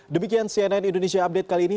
demikian cnn indonesia update kali ini